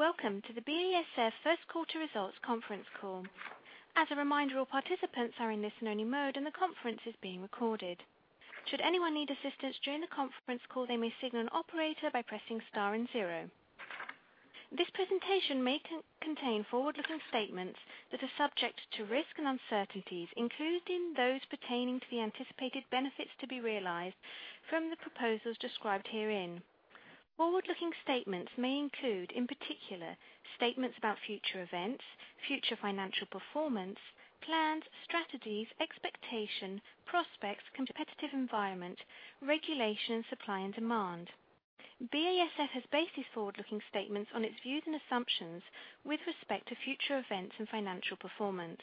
Welcome to the BASF first quarter results conference call. As a reminder, all participants are in listen only mode, and the conference is being recorded. Should anyone need assistance during the conference call, they may signal an operator by pressing star and zero. This presentation may contain forward-looking statements that are subject to risk and uncertainties, including those pertaining to the anticipated benefits to be realized from the proposals described herein. Forward-looking statements may include, in particular, statements about future events, future financial performance, plans, strategies, expectation, prospects, competitive environment, regulation, supply and demand. BASF has based its forward-looking statements on its views and assumptions with respect to future events and financial performance.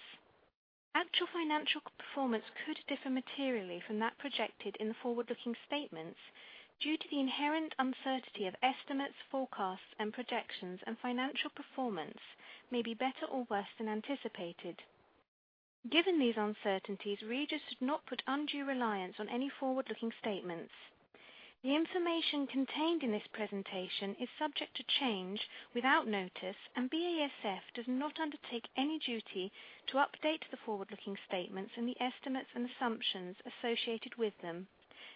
Actual financial performance could differ materially from that projected in the forward-looking statements due to the inherent uncertainty of estimates, forecasts and projections, and financial performance may be better or worse than anticipated. Given these uncertainties, readers should not put undue reliance on any forward-looking statements. The information contained in this presentation is subject to change without notice, and BASF does not undertake any duty to update the forward-looking statements and the estimates and assumptions associated with them,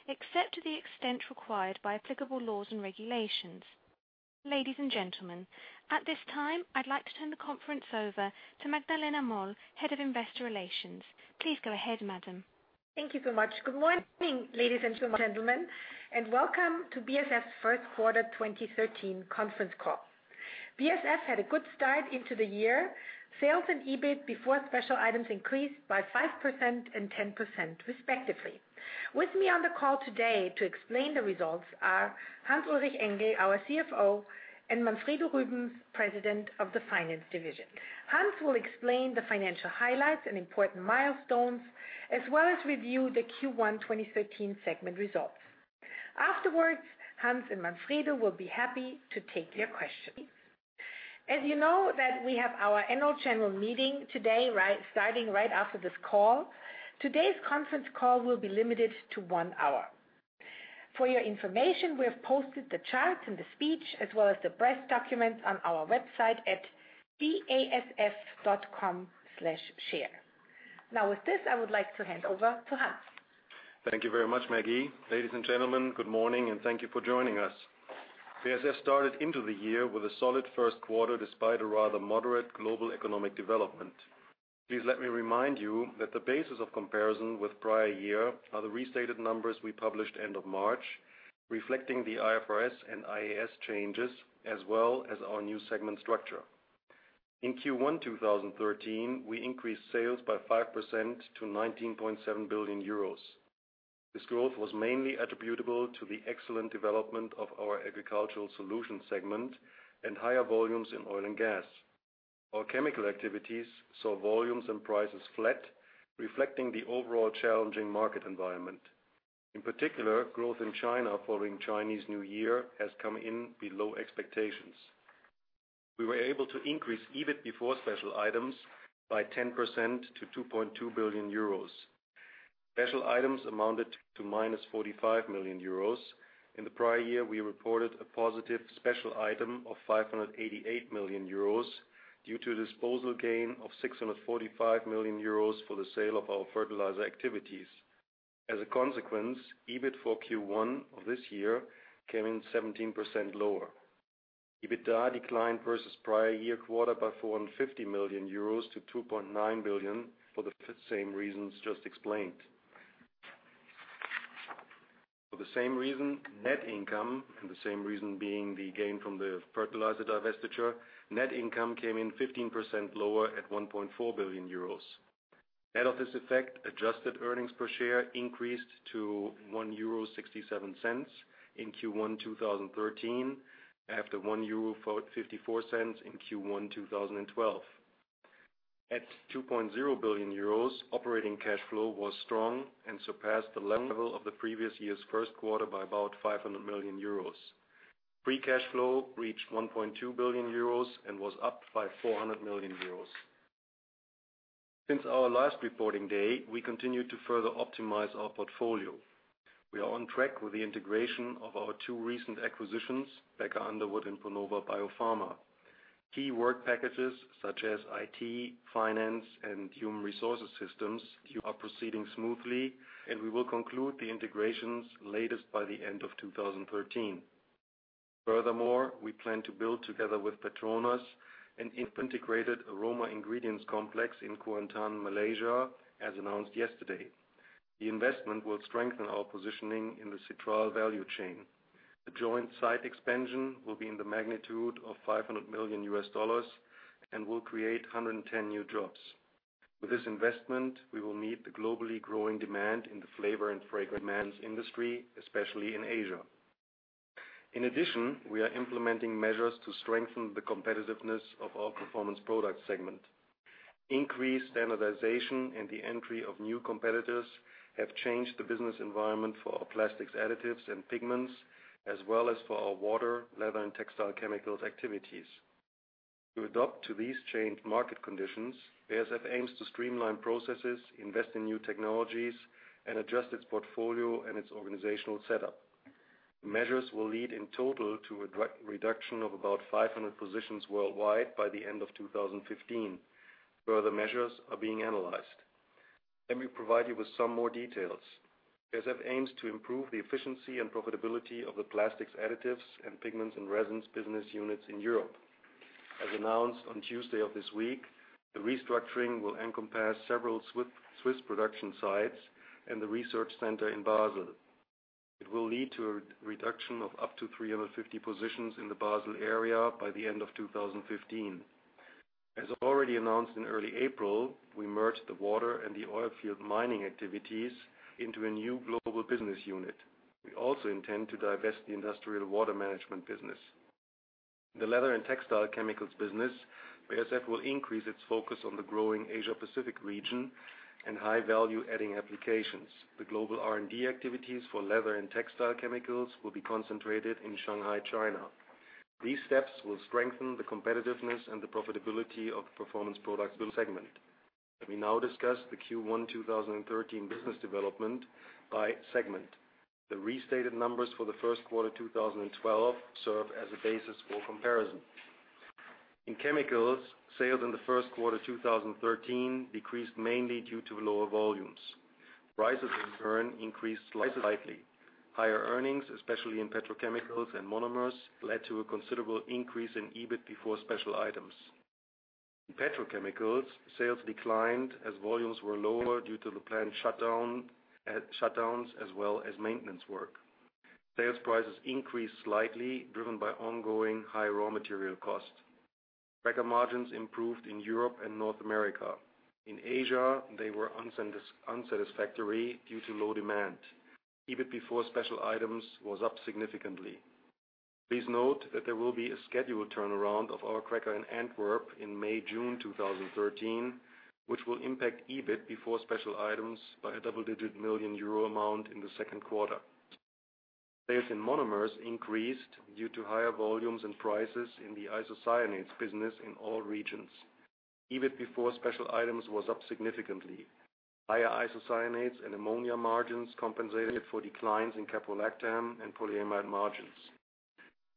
except to the extent required by applicable laws and regulations. Ladies and gentlemen, at this time, I'd like to turn the conference over to Magdalena Moll, Head of Investor Relations. Please go ahead, madam. Thank you so much. Good morning, ladies and gentlemen, and welcome to BASF's first quarter 2013 conference call. BASF had a good start into the year. Sales and EBIT before special items increased by 5% and 10% respectively. With me on the call today to explain the results are Hans-Ulrich Engel, our CFO, and Manfredo Rübens, president of the finance division. Hans will explain the financial highlights and important milestones as well as review the Q1 2013 segment results. Afterwards, Hans and Manfredo will be happy to take your questions. As you know that we have our Annual General Meeting today, right. Starting right after this call, today's conference call will be limited to one hour. For your information, we have posted the charts and the speech as well as the press documents on our website at basf.com/share. Now with this, I would like to hand over to Hans. Thank you very much, Maggie. Ladies and gentlemen, good morning, and thank you for joining us. BASF started into the year with a solid first quarter despite a rather moderate global economic development. Please let me remind you that the basis of comparison with prior year are the restated numbers we published end of March, reflecting the IFRS and IAS changes as well as our new segment structure. In Q1 2013, we increased sales by 5% to 19.7 billion euros. This growth was mainly attributable to the excellent development of our agricultural solution segment and higher volumes in oil and gas. Our chemical activities saw volumes and prices flat, reflecting the overall challenging market environment. In particular, growth in China following Chinese New Year has come in below expectations. We were able to increase EBIT before special items by 10% to 2.2 billion euros. Special items amounted to -45 million euros. In the prior year, we reported a positive special item of 588 million euros due to a disposal gain of 645 million euros for the sale of our fertilizer activities. As a consequence, EBIT for Q1 of this year came in 17% lower. EBITDA declined versus prior year quarter by 450 million euros to 2.9 billion for the same reasons just explained. For the same reason, net income, and the same reason being the gain from the fertilizer divestiture, net income came in 15% lower at 1.4 billion euros. Net of this effect, adjusted earnings per share increased to 1.67 euro in Q1 2013 after 1.54 euro in Q1 2012. At 2.0 billion euros, operating cash flow was strong and surpassed the level of the previous year's first quarter by about 500 million euros. Free cash flow reached 1.2 billion euros and was up by 400 million euros. Since our last reporting day, we continued to further optimize our portfolio. We are on track with the integration of our two recent acquisitions, Becker Underwood and Pronova BioPharma. Key work packages such as IT, finance and human resources systems are proceeding smoothly, and we will conclude the integrations latest by the end of 2013. Furthermore, we plan to build together with Petronas an integrated aroma ingredients complex in Kuantan, Malaysia, as announced yesterday. The investment will strengthen our positioning in the citral value chain. The joint site expansion will be in the magnitude of $500 million and will create 110 new jobs. With this investment, we will meet the globally growing demand in the flavor and fragrance industry, especially in Asia. In addition, we are implementing measures to strengthen the competitiveness of our performance product segment. Increased standardization and the entry of new competitors have changed the business environment for our plastics additives and pigments as well as for our water, leather and textile chemicals activities. To adapt to these changed market conditions, BASF aims to streamline processes, invest in new technologies, and adjust its portfolio and its organizational setup. The measures will lead in total to a direct reduction of about 500 positions worldwide by the end of 2015. Further measures are being analyzed. Let me provide you with some more details. BASF aims to improve the efficiency and profitability of the plastics additives and pigments and resins business units in Europe. As announced on Tuesday of this week, the restructuring will encompass several Swiss production sites and the research center in Basel. It will lead to a reduction of up to 350 positions in the Basel area by the end of 2015. As already announced in early April, we merged the water and the oilfield mining activities into a new global business unit. We also intend to divest the industrial water management business. The leather and textile chemicals business, BASF will increase its focus on the growing Asia-Pacific region and high value adding applications. The global R&D activities for leather and textile chemicals will be concentrated in Shanghai, China. These steps will strengthen the competitiveness and the profitability of the performance products segment. Let me now discuss the Q1 2013 business development by segment. The restated numbers for the first quarter 2012 serve as a basis for comparison. In Chemicals, sales in the first quarter 2013 decreased mainly due to lower volumes. Prices, in turn, increased slightly. Higher earnings, especially in Petrochemicals and Monomers, led to a considerable increase in EBIT before special items. In Petrochemicals, sales declined as volumes were lower due to the planned shutdowns as well as maintenance work. Sales prices increased slightly, driven by ongoing high raw material costs. Cracker margins improved in Europe and North America. In Asia, they were unsatisfactory due to low demand. EBIT before special items was up significantly. Please note that there will be a scheduled turnaround of our cracker in Antwerp in May, June 2013, which will impact EBIT before special items by a double-digit million euro amount in the second quarter. Sales in Monomers increased due to higher volumes and prices in the isocyanates business in all regions. EBIT before special items was up significantly. Higher isocyanates and ammonia margins compensated for declines in caprolactam and polyamide margins.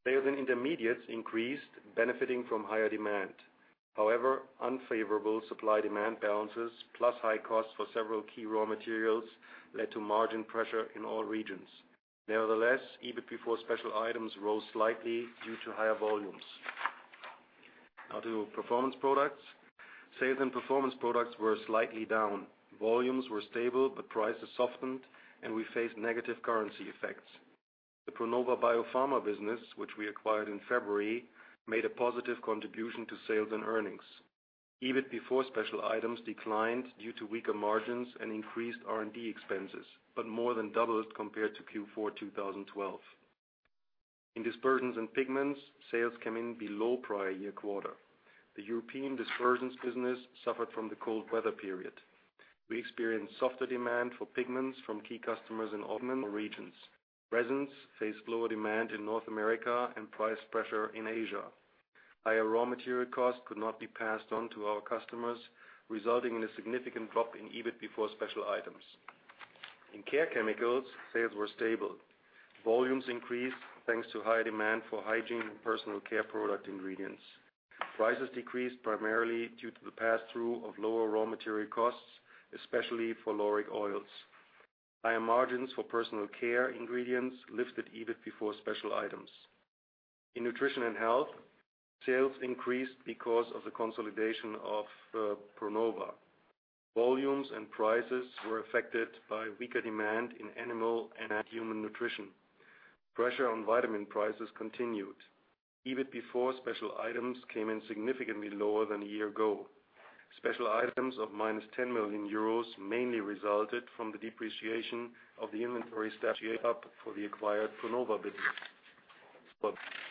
Sales in Intermediates increased, benefiting from higher demand. However, unfavorable supply-demand balances, plus high costs for several key raw materials led to margin pressure in all regions. Nevertheless, EBIT before special items rose slightly due to higher volumes. Now to Performance Products. Sales in Performance Products were slightly down. Volumes were stable, but prices softened and we faced negative currency effects. The Pronova BioPharma business, which we acquired in February, made a positive contribution to sales and earnings. EBIT before special items declined due to weaker margins and increased R&D expenses, but more than doubled compared to Q4 2012. In Dispersions and Pigments, sales came in below prior year quarter. The European dispersions business suffered from the cold weather period. We experienced softer demand for pigments from key customers in all the main regions. Resins faced lower demand in North America and price pressure in Asia. Higher raw material costs could not be passed on to our customers, resulting in a significant drop in EBIT before special items. In Care Chemicals, sales were stable. Volumes increased thanks to higher demand for hygiene and personal care product ingredients. Prices decreased primarily due to the pass-through of lower raw material costs, especially for lauric oils. Higher margins for personal care ingredients lifted EBIT before special items. In Nutrition and Health, sales increased because of the consolidation of Pronova. Volumes and prices were affected by weaker demand in animal and human nutrition. Pressure on vitamin prices continued. EBIT before special items came in significantly lower than a year ago. Special items of -10 million euros mainly resulted from the depreciation of the inventory stepped up for the acquired Pronova business.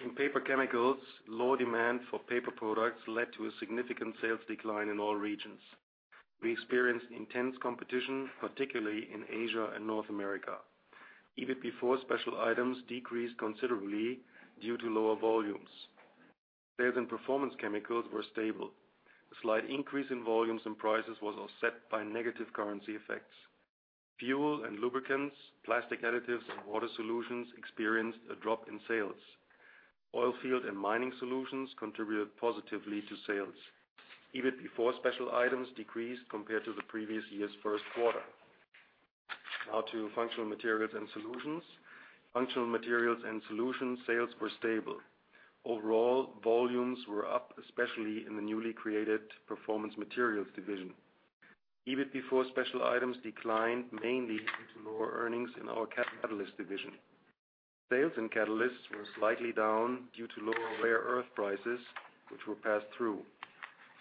In Paper Chemicals, lower demand for paper products led to a significant sales decline in all regions. We experienced intense competition, particularly in Asia and North America. EBIT before special items decreased considerably due to lower volumes. Sales in Performance Chemicals were stable. A slight increase in volumes and prices was offset by negative currency effects. Fuel and lubricants, plastic additives and water solutions experienced a drop in sales. Oilfield & Mining Solutions contributed positively to sales. EBIT before special items decreased compared to the previous year's first quarter. Now to Functional Materials and Solutions. Functional Materials and Solutions sales were stable. Overall, volumes were up, especially in the newly created Performance Materials division. EBIT before special items declined, mainly due to lower earnings in our catalyst division. Sales in catalysts were slightly down due to lower rare earth prices, which were passed through.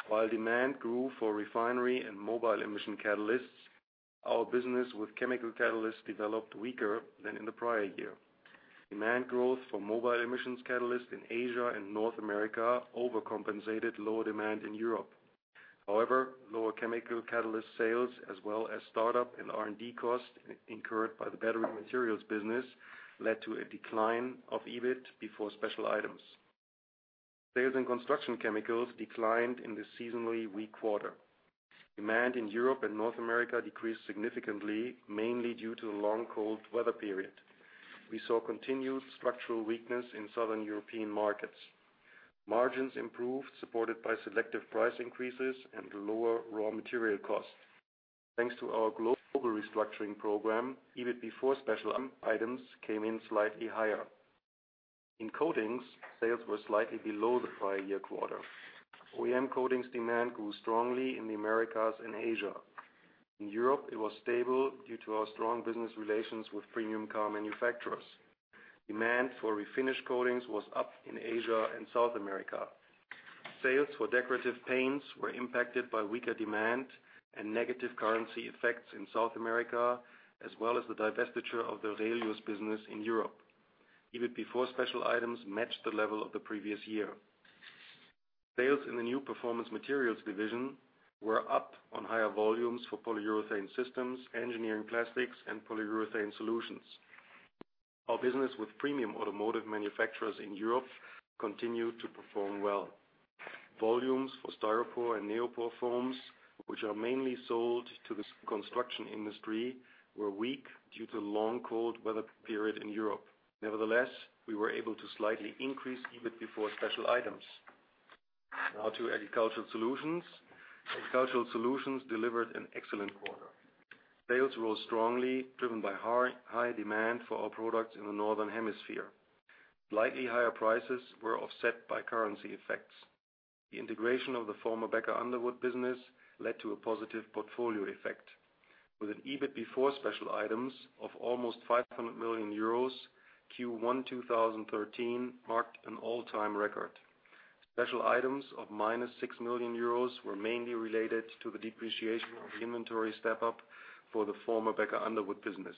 While demand grew for refinery and mobile emission catalysts, our business with chemical catalysts developed weaker than in the prior year. Demand growth for mobile emissions catalysts in Asia and North America overcompensated lower demand in Europe. However, lower chemical catalyst sales as well as startup and R&D costs incurred by the battery materials business led to a decline of EBIT before special items. Sales in construction chemicals declined in the seasonally weak quarter. Demand in Europe and North America decreased significantly, mainly due to the long, cold weather period. We saw continued structural weakness in Southern European markets. Margins improved, supported by selective price increases and lower raw material costs. Thanks to our global restructuring program, EBIT before special items came in slightly higher. In coatings, sales were slightly below the prior-year quarter. OEM coatings demand grew strongly in the Americas and Asia. In Europe, it was stable due to our strong business relations with premium car manufacturers. Demand for refinish coatings was up in Asia and South America. Sales for decorative paints were impacted by weaker demand and negative currency effects in South America, as well as the divestiture of the Relius business in Europe. EBIT before special items matched the level of the previous year. Sales in the new performance materials division were up on higher volumes for Polyurethane Systems, Engineering Plastics, and Polyurethane Solutions. Our business with premium automotive manufacturers in Europe continued to perform well. Volumes for Styropor and Neopor foams, which are mainly sold to the construction industry, were weak due to long, cold weather period in Europe. Nevertheless, we were able to slightly increase EBIT before special items. Now to Agricultural Solutions. Agricultural Solutions delivered an excellent quarter. Sales rose strongly, driven by high demand for our products in the Northern Hemisphere. Slightly higher prices were offset by currency effects. The integration of the former Becker Underwood business led to a positive portfolio effect. With an EBIT before special items of almost 500 million euros, Q1 2013 marked an all-time record. Special items of -6 million euros were mainly related to the depreciation of the inventory step-up for the former Becker Underwood business.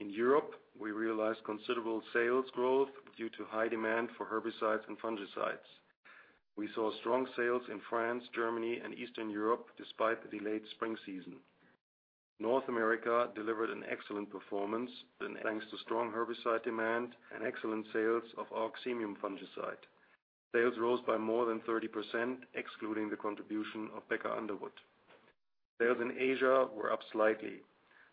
In Europe, we realized considerable sales growth due to high demand for herbicides and fungicides. We saw strong sales in France, Germany, and Eastern Europe despite the delayed spring season. North America delivered an excellent performance, and thanks to strong herbicide demand and excellent sales of our Xemium fungicide. Sales rose by more than 30%, excluding the contribution of Becker Underwood. Sales in Asia were up slightly.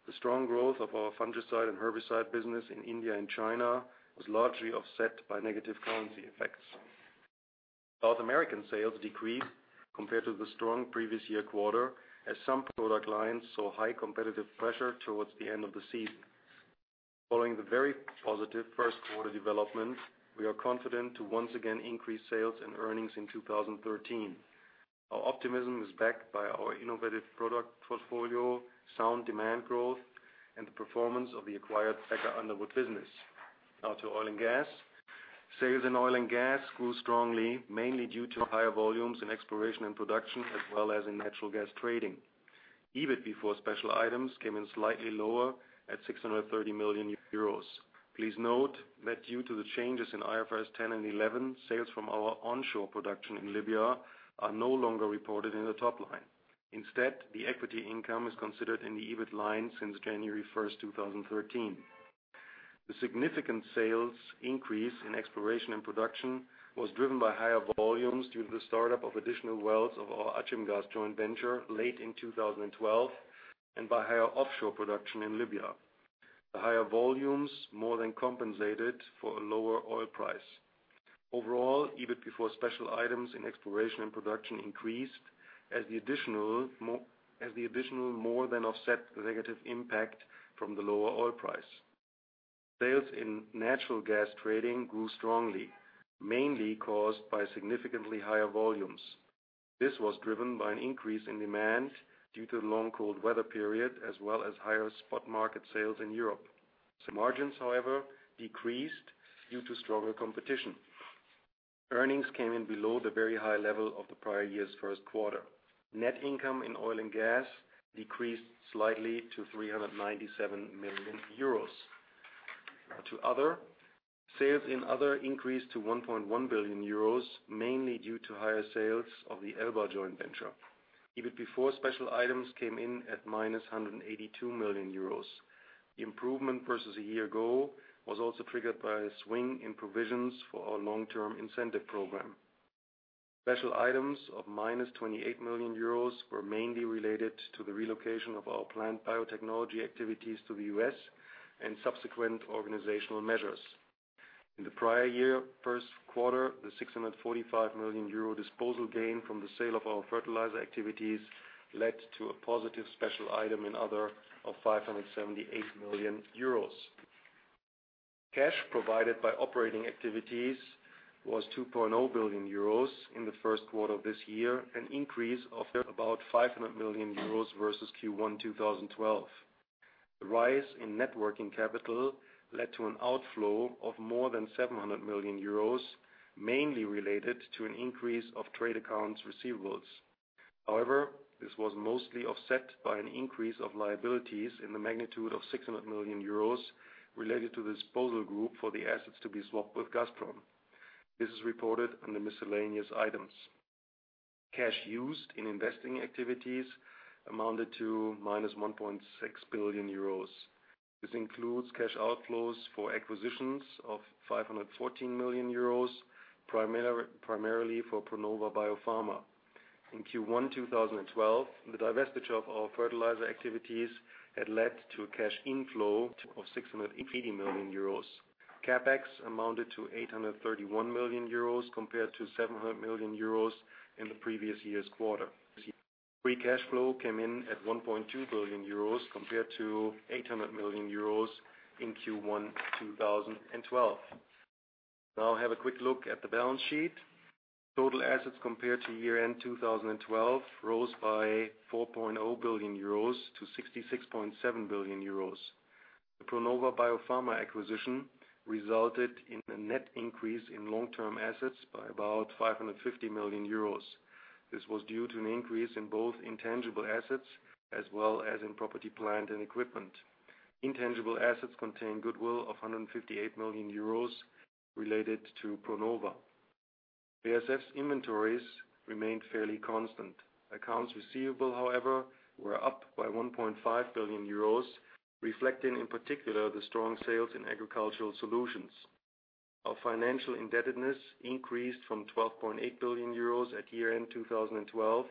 The strong growth of our fungicide and herbicide business in India and China was largely offset by negative currency effects. South American sales decreased compared to the strong previous year quarter, as some product lines saw high competitive pressure towards the end of the season. Following the very positive first quarter development, we are confident to once again increase sales and earnings in 2013. Our optimism is backed by our innovative product portfolio, sound demand growth, and the performance of the acquired Becker Underwood business. Now to Oil and Gas. Sales in Oil and Gas grew strongly, mainly due to higher volumes in exploration and production, as well as in natural gas trading. EBIT before special items came in slightly lower at 630 million euros. Please note that due to the changes in IFRS 10 and 11, sales from our onshore production in Libya are no longer reported in the top line. Instead, the equity income is considered in the EBIT line since January 1st, 2013. The significant sales increase in Exploration & Production was driven by higher volumes due to the startup of additional wells of our Achimgaz joint venture late in 2012, and by higher offshore production in Libya. The higher volumes more than compensated for a lower oil price. Overall, EBIT before special items in Exploration & Production increased as the additional more than offset the negative impact from the lower oil price. Sales in natural gas trading grew strongly, mainly caused by significantly higher volumes. This was driven by an increase in demand due to the long, cold weather period as well as higher spot market sales in Europe. Margins, however, decreased due to stronger competition. Earnings came in below the very high level of the prior year's first quarter. Net income in Oil and Gas decreased slightly to 397 million euros. Now to Other. Sales in Other increased to 1.1 billion euros, mainly due to higher sales of the ELLBA joint venture. EBIT before special items came in at -182 million euros. The improvement versus a year ago was also triggered by a swing in provisions for our long-term incentive program. Special items of -28 million euros were mainly related to the relocation of our plant biotechnology activities to the U.S. and subsequent organizational measures. In the prior year first quarter, the 645 million euro disposal gain from the sale of our fertilizer activities led to a positive special item in Other of 578 million euros. Cash provided by operating activities was 2.0 billion euros in the first quarter of this year, an increase of about 500 million euros versus Q1 2012. The rise in net working capital led to an outflow of more than 700 million euros, mainly related to an increase of trade accounts receivables. This was mostly offset by an increase of liabilities in the magnitude of 600 million euros related to the disposal group for the assets to be swapped with Gazprom. This is reported under miscellaneous items. Cash used in investing activities amounted to -1.6 billion euros. This includes cash outflows for acquisitions of 514 million euros, primarily for Pronova BioPharma. In Q1 2012, the divestiture of our fertilizer activities had led to a cash inflow of 680 million euros. CapEx amounted to 831 million euros compared to 700 million euros in the previous year's quarter. Free cash flow came in at 1.2 billion euros compared to 800 million euros in Q1 2012. Now have a quick look at the balance sheet. Total assets compared to year-end 2012 rose by 4.0 billion euros to 66.7 billion euros. The Pronova BioPharma acquisition resulted in a net increase in long-term assets by about 550 million euros. This was due to an increase in both intangible assets as well as in property, plant, and equipment. Intangible assets contain goodwill of 158 million euros related to Pronova. BASF's inventories remained fairly constant. Accounts receivable, however, were up by 1.5 billion euros, reflecting in particular the strong sales in agricultural solutions. Our financial indebtedness increased from 12.8 billion euros at year-end 2012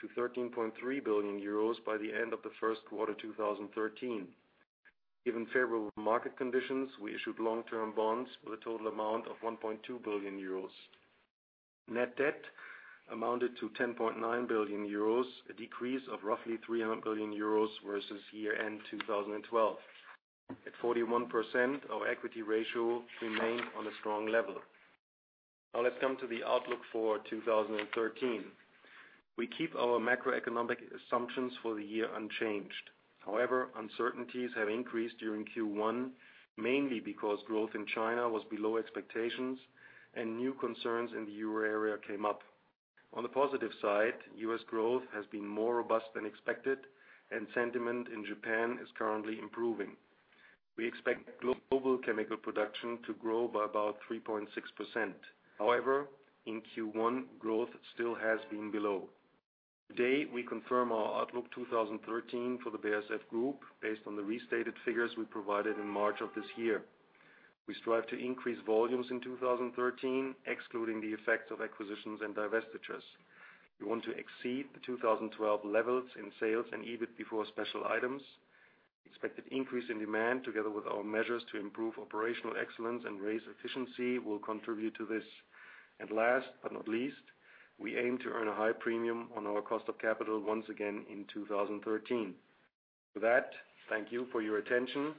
to 13.3 billion euros by the end of the first quarter 2013. Given favorable market conditions, we issued long-term bonds with a total amount of 1.2 billion euros. Net debt amounted to 10.9 billion euros, a decrease of roughly 300 million euros versus year-end 2012. At 41%, our equity ratio remained on a strong level. Now let's come to the outlook for 2013. We keep our macroeconomic assumptions for the year unchanged. However, uncertainties have increased during Q1, mainly because growth in China was below expectations and new concerns in the Euro area came up. On the positive side, U.S. growth has been more robust than expected and sentiment in Japan is currently improving. We expect global chemical production to grow by about 3.6%. However, in Q1, growth still has been below. Today, we confirm our outlook 2013 for the BASF Group based on the restated figures we provided in March of this year. We strive to increase volumes in 2013, excluding the effects of acquisitions and divestitures. We want to exceed the 2012 levels in sales and EBIT before special items. Expected increase in demand, together with our measures to improve operational excellence and raise efficiency, will contribute to this. Last but not least, we aim to earn a high premium on our cost of capital once again in 2013. With that, thank you for your attention,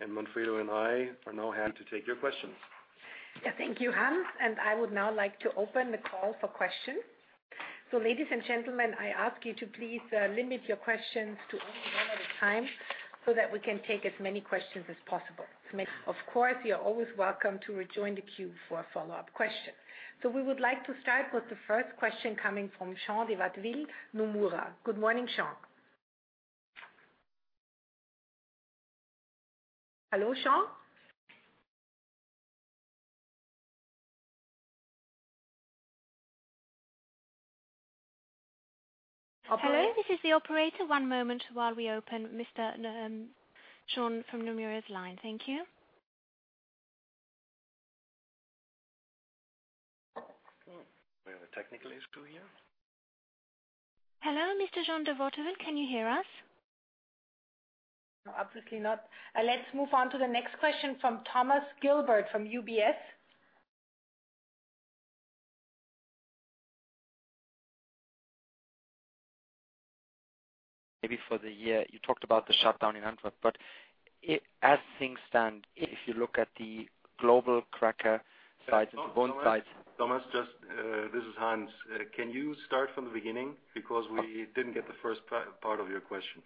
and Manfredo and I are now happy to take your questions. Yeah. Thank you, Hans. I would now like to open the call for questions. Ladies and gentlemen, I ask you to please limit your questions to only one at a time so that we can take as many questions as possible. Of course, you're always welcome to rejoin the queue for a follow-up question. We would like to start with the first question coming from Jean de Watteville, Nomura. Good morning, Jean. Hello, Jean? Hello, this is the operator. One moment while we open Mr. Jean de Watteville from Nomura's line. Thank you. We have a technical issue here. Hello, Mr. Jean de Watteville, can you hear us? No, obviously not. Let's move on to the next question from Thomas Gilbert from UBS. Maybe for the year, you talked about the shutdown in Antwerp. As things stand, if you look at the global cracker sites, the Verbund sites Thomas, just, this is Hans. Can you start from the beginning? Because we didn't get the first part of your question.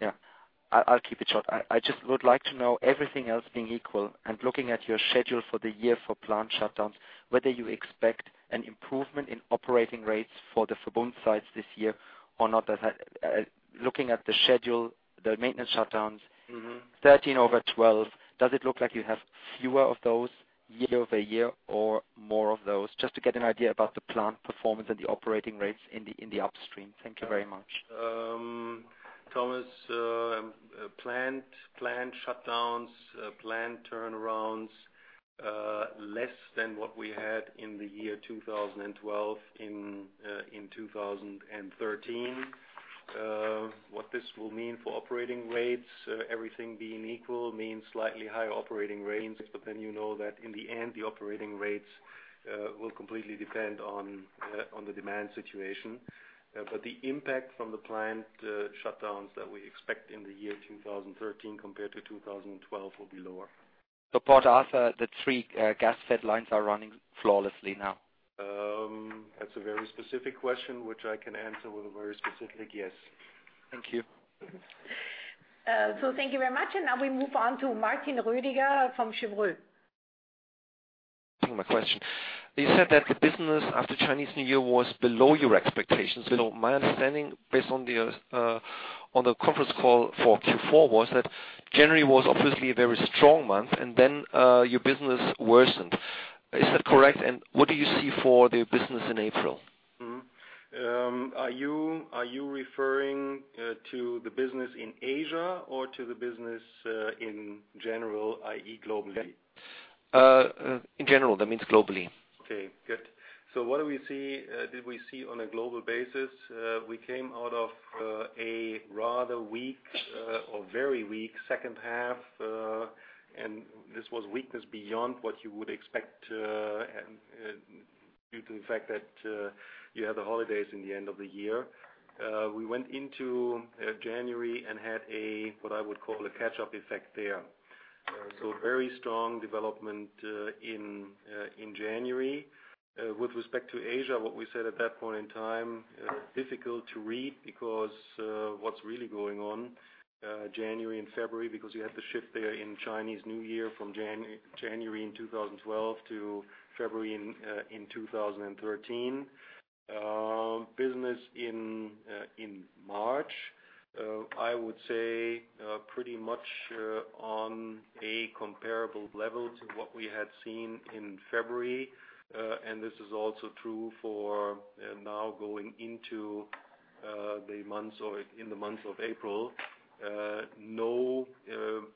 I'll keep it short. I just would like to know everything else being equal and looking at your schedule for the year for plant shutdowns, whether you expect an improvement in operating rates for the Verbund sites this year or not. As I'm looking at the schedule, the maintenance shutdowns 13 over 12, does it look like you have fewer of those year over year or more of those? Just to get an idea about the plant performance and the operating rates in the upstream. Thank you very much. Thomas, plant shutdowns, plant turnarounds, less than what we had in the year 2012 in 2013. What this will mean for operating rates, everything being equal, means slightly higher operating rates. You know that in the end, the operating rates will completely depend on the demand situation. The impact from the plant shutdowns that we expect in the year 2013 compared to 2012 will be lower. Port Arthur, the three gas-fed lines are running flawlessly now? That's a very specific question, which I can answer with a very specific yes. Thank you. Thank you very much. Now we move on to Martin Rödiger from CA Cheuvreux. You said that the business after Chinese New Year was below your expectations. My understanding based on the conference call for Q4 was that January was obviously a very strong month and then your business worsened. Is that correct? What do you see for the business in April? Are you referring to the business in Asia or to the business in general, i.e., globally? In general, that means globally. Okay, good. What did we see on a global basis? We came out of a rather weak or very weak second half, and this was weakness beyond what you would expect due to the fact that you have the holidays in the end of the year. We went into January and had a what I would call a catch-up effect there. Very strong development in January. With respect to Asia, what we said at that point in time difficult to read because what's really going on January and February, because you have the shift there in Chinese New Year from January in 2012 to February in 2013. Business in March I would say pretty much on a comparable level to what we had seen in February. This is also true for now going into the months or in the month of April. No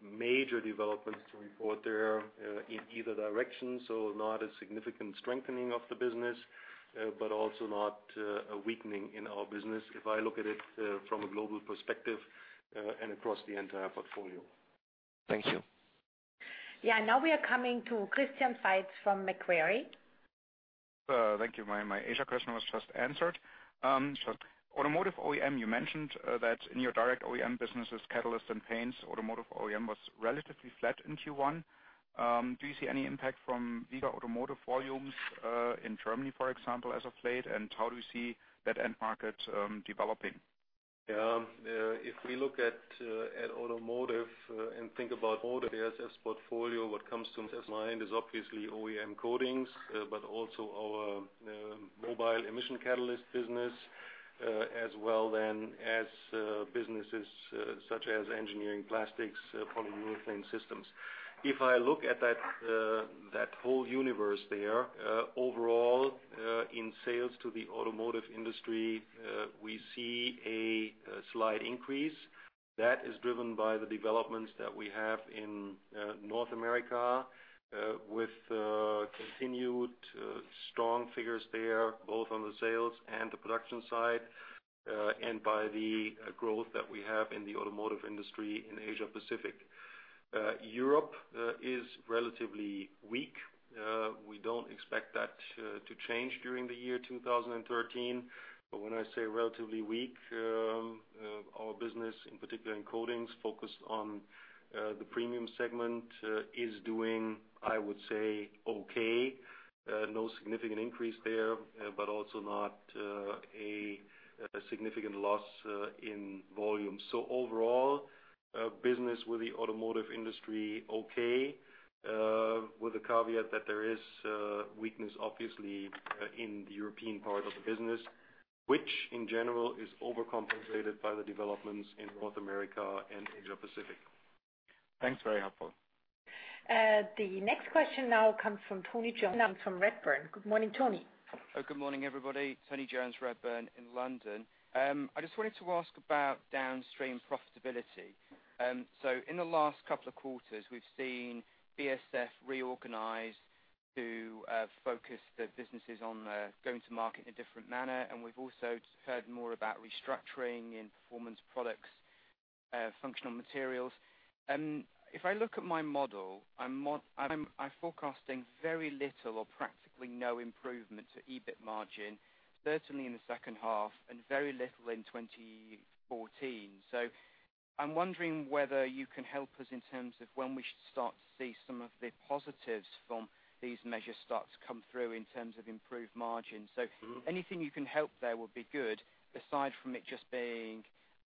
major developments to report there in either direction, so not a significant strengthening of the business but also not a weakening in our business, if I look at it from a global perspective and across the entire portfolio. Thank you. Yeah. Now we are coming to Christian Faitz from Macquarie. Thank you. My Asia question was just answered. Automotive OEM, you mentioned that in your direct OEM businesses, Catalysts and Paints, Automotive OEM was relatively flat in Q1. Do you see any impact from weaker automotive volumes in Germany, for example, as of late? How do you see that end market developing? Yeah. If we look at automotive and think about all the SS portfolio, what comes to mind is obviously OEM coatings, but also our mobile emission catalyst business, as well as businesses such as engineering plastics, polyurethane systems. If I look at that whole universe there, overall, in sales to the automotive industry, we see a slight increase. That is driven by the developments that we have in North America, with continued strong figures there, both on the sales and the production side, and by the growth that we have in the automotive industry in Asia Pacific. Europe is relatively weak. We don't expect that to change during the year 2013. When I say relatively weak, our business, in particular in coatings, focused on the Premium segment, is doing, I would say, okay. No significant increase there, but also not a significant loss in volume. Overall, business with the automotive industry, okay, with the caveat that there is weakness obviously in the European part of the business, which in general is overcompensated by the developments in North America and Asia Pacific. Thanks. Very helpful. The next question now comes from Tony Jones from Redburn. Good morning, Tony. Good morning, everybody. Tony Jones, Redburn in London. I just wanted to ask about downstream profitability. In the last couple of quarters, we've seen BASF reorganize to focus the businesses on going to market in a different manner, and we've also heard more about restructuring in performance products, functional materials. If I look at my model, I'm forecasting very little or practically no improvement to EBIT margin, certainly in the second half and very little in 2014. I'm wondering whether you can help us in terms of when we should start to see some of the positives from these measures start to come through in terms of improved margins? Mm-hmm. Anything you can help there would be good, aside from it just being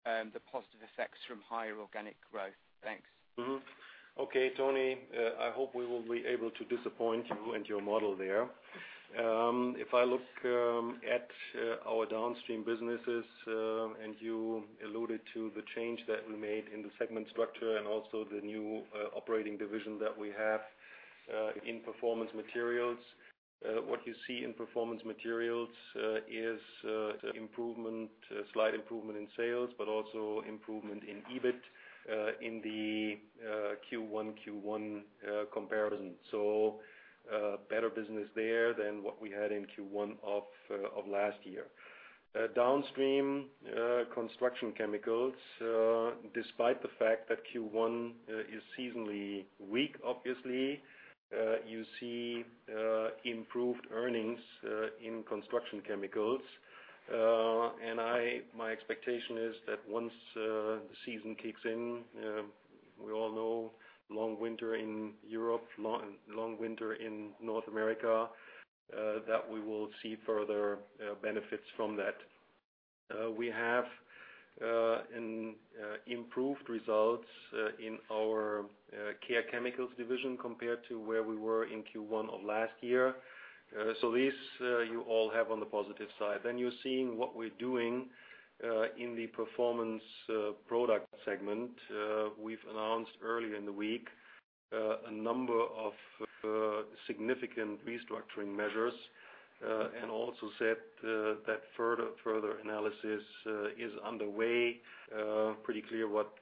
the positive effects from higher organic growth. Thanks. Okay, Tony, I hope we will be able to disappoint you and your model there. If I look at our downstream businesses, and you alluded to the change that we made in the segment structure and also the new operating division that we have in Performance Materials, what you see in Performance Materials is slight improvement in sales, but also improvement in EBIT in the Q1 comparison. Better business there than what we had in Q1 of last year. Downstream, Construction Chemicals, despite the fact that Q1 is seasonally weak, obviously, you see improved earnings in Construction Chemicals. My expectation is that once the season kicks in, we all know long winter in Europe, long winter in North America, that we will see further benefits from that. We have an improved results in our Care Chemicals division compared to where we were in Q1 of last year. This you all have on the positive side. You're seeing what we're doing in the Performance Products segment. We've announced earlier in the week a number of significant restructuring measures, and also said that further analysis is underway. Pretty clear what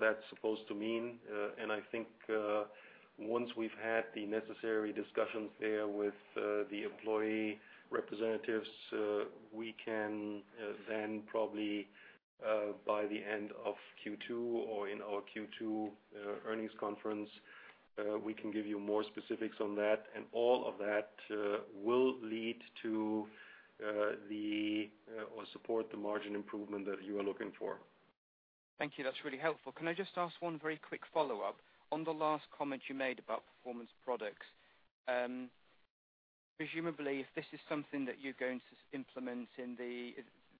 that's supposed to mean. I think, once we've had the necessary discussions there with the employee representatives, we can then probably by the end of Q2 or in our Q2 earnings conference, we can give you more specifics on that. All of that will lead to or support the margin improvement that you are looking for. Thank you. That's really helpful. Can I just ask one very quick follow-up? On the last comment you made about performance products, presumably, if this is something that you're going to implement in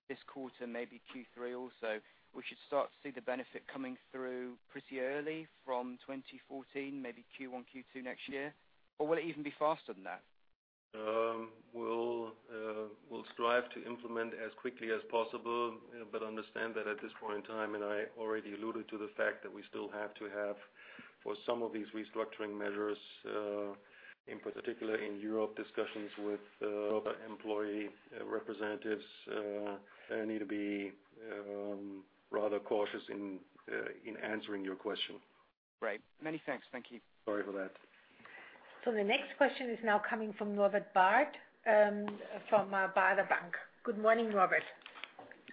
this quarter, maybe Q3 also, we should start to see the benefit coming through pretty early from 2014, maybe Q1, Q2 next year? Or will it even be faster than that? We'll strive to implement as quickly as possible. Understand that at this point in time, and I already alluded to the fact that we still have to have, for some of these restructuring measures, in particular in Europe, discussions with employee representatives. I need to be rather cautious in answering your question. Right. Many thanks. Thank you. Sorry for that. The next question is now coming from Norbert Barth from Baader Bank. Good morning, Norbert.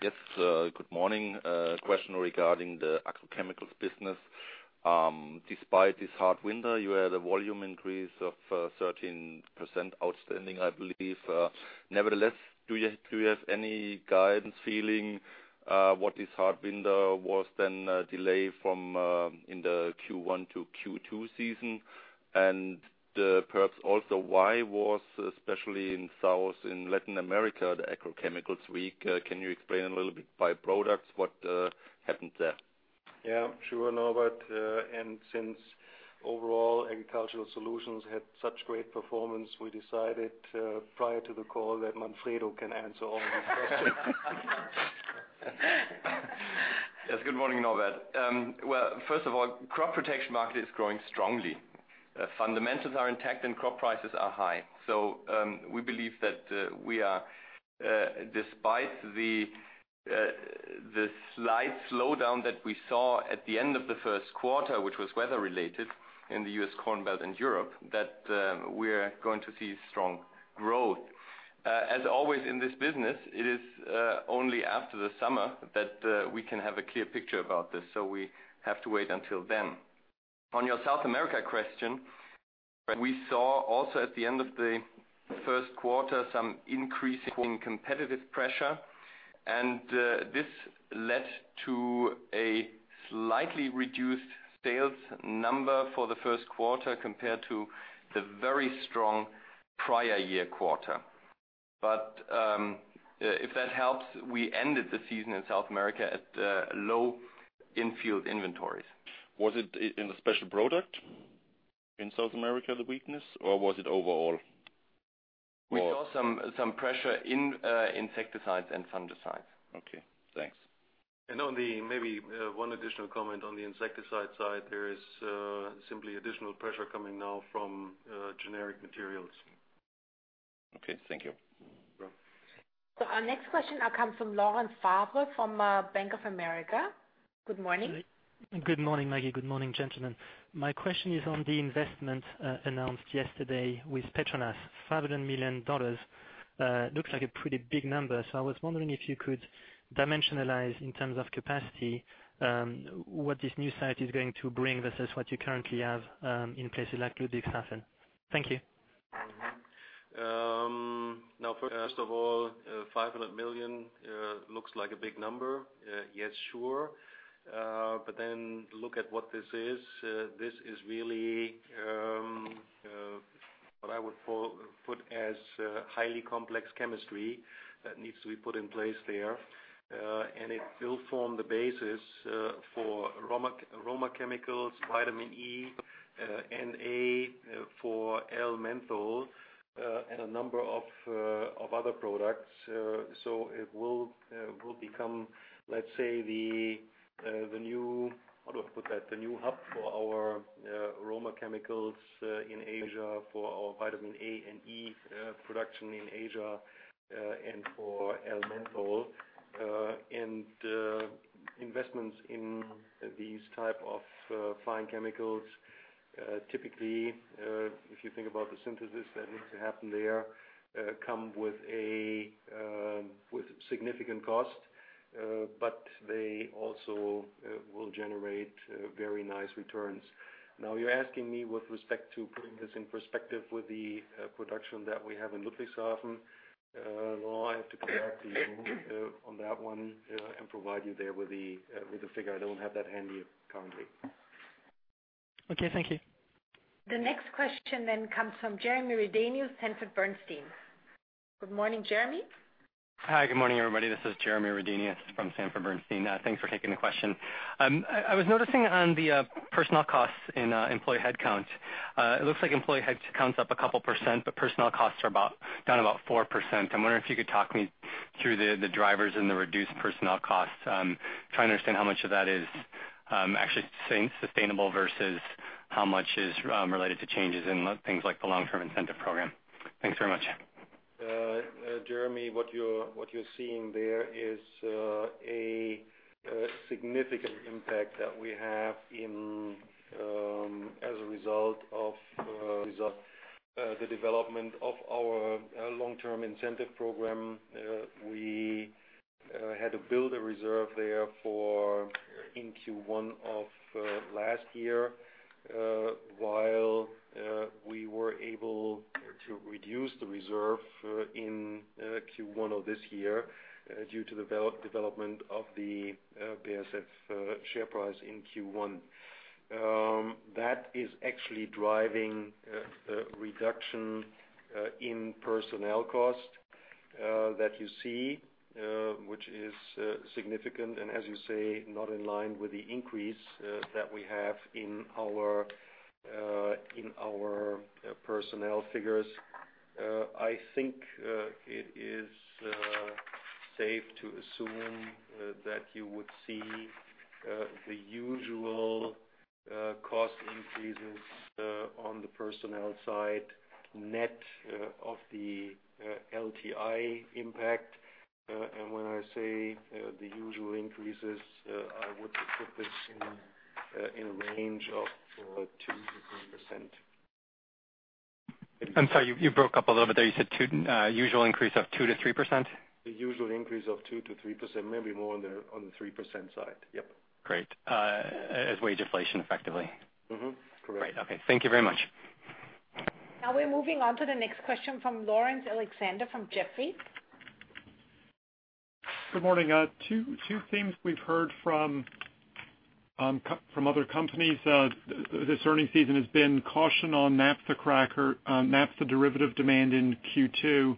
Yes, good morning. A question regarding the Agrochemicals business. Despite this hard winter, you had a volume increase of 13% outstanding, I believe. Nevertheless, do you have any guidance feeling what this hard winter was then delay from in the Q1 to Q2 season? Perhaps also, why was especially in South and Latin America, the Agrochemicals weak? Can you explain a little bit by products what happened there? Yeah, sure, Norbert. Since overall Agricultural Solutions had such great performance, we decided prior to the call that Manfredo can answer all these questions. Yes. Good morning, Norbert. Well, first of all, crop protection market is growing strongly. Fundamentals are intact and crop prices are high. We believe that, despite the slight slowdown that we saw at the end of the first quarter, which was weather-related in the U.S. Corn Belt in Europe, we're going to see strong growth. As always in this business, it is only after the summer that we can have a clear picture about this, so we have to wait until then. On your South America question, we saw also at the end of the first quarter some increasing competitive pressure, and this led to a slightly reduced sales number for the first quarter compared to the very strong prior year quarter. If that helps, we ended the season in South America at low infield inventories. Was it in the special product in South America, the weakness, or was it overall? We saw some pressure in insecticides and fungicides. Okay. Thanks. Maybe one additional comment on the insecticide side. There is simply additional pressure coming now from generic materials. Okay. Thank you. No problem. Our next question comes from Laurence Alexander from Bank of America. Good morning. Good morning, Maggie. Good morning, gentlemen. My question is on the investment announced yesterday with Petronas. $500 million looks like a pretty big number. I was wondering if you could dimensionalize in terms of capacity what this new site is going to bring versus what you currently have in places like Ludwigshafen. Thank you. Now first of all, $500 million looks like a big number. Yes, sure. Look at what this is. This is really what I would call highly complex chemistry that needs to be put in place there. It will form the basis for aroma chemicals, Vitamin E and A, for L-Menthol and a number of other products. It will become, let's say, the new, how do I put that? The new hub for our aroma chemicals in Asia, for our Vitamin A and E production in Asia and for L-Menthol. Investments in these type of fine chemicals typically, if you think about the synthesis that needs to happen there, come with significant cost, but they also will generate very nice returns. Now, you're asking me with respect to putting this in perspective with the production that we have in Ludwigshafen. Laurence, I have to come back to you on that one, and provide you there with the figure. I don't have that handy currently. Okay, thank you. The next question then comes from Jeremy Redenius, Sanford C. Bernstein. Good morning, Jeremy. Hi, good morning, everybody. This is Jeremy Redenius from Sanford C. Bernstein. Thanks for taking the question. I was noticing on the personnel costs in employee headcount. It looks like employee headcount's up a couple %, but personnel costs are down about 4%. I'm wondering if you could talk me through the drivers and the reduced personnel costs, trying to understand how much of that is actually sustainable versus how much is related to changes in things like the long-term incentive program. Thanks very much. Jeremy, what you're seeing there is a significant impact that we have as a result of the development of our long-term incentive program. We had to build a reserve there in Q1 of last year. While we were able to reduce the reserve in Q1 of this year due to development of the BASF share price in Q1. That is actually driving a reduction in personnel cost that you see, which is significant and as you say, not in line with the increase that we have in our personnel figures. I think it is safe to assume that you would see the usual cost increases on the personnel side, net of the LTI impact. When I say the usual increases, I would put this in range of 2%-3%. I'm sorry, you broke up a little bit there. You said usual increase of 2%-3%? The usual increase of 2%-3%, maybe more on the 3% side. Yep. Great. As wage inflation effectively. Correct. Great. Okay. Thank you very much. Now we're moving on to the next question from Laurence Alexander, from Jefferies. Good morning. Two themes we've heard from other companies this earnings season has been caution on naphtha cracker, naphtha derivative demand in Q2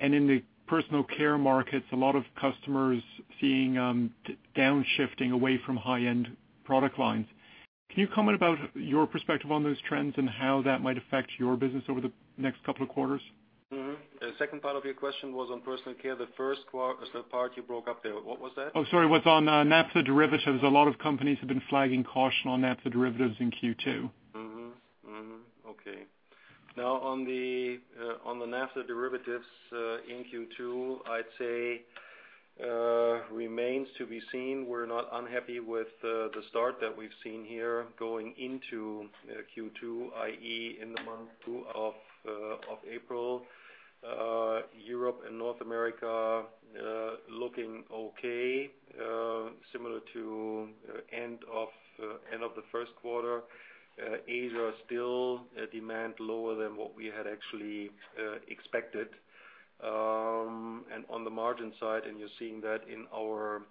and in the personal care markets, a lot of customers seeing downshifting away from high-end product lines. Can you comment about your perspective on those trends and how that might affect your business over the next couple of quarters? The second part of your question was on personal care. The first part you broke up there. What was that? Oh, sorry. Was on, naphtha derivatives. A lot of companies have been flagging caution on naphtha derivatives in Q2. Okay. Now, on the naphtha derivatives in Q2, I'd say remains to be seen. We're not unhappy with the start that we've seen here going into Q2, i.e., in the month of April. Europe and North America looking okay, similar to end of the first quarter. Asia still demand lower than what we had actually expected. On the margin side, you're seeing that in our